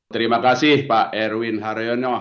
terima kasih pak erwin haryono